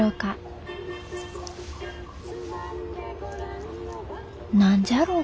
心の声何じゃろう？